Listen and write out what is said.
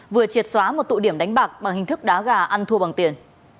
vừa triệt xóa một tụ điểm đánh bạc bằng hình thức đá gà ăn thua bằng tiền